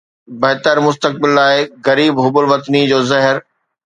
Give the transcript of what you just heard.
بهتر مستقبل لاءِ غريب حب الوطني جو زهر